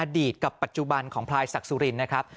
กับปัจจุบันของพลายศักดิ์สุรินนะครับ